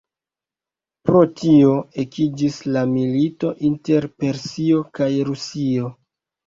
Pro tio ekiĝis la milito inter Persio kaj Rusio.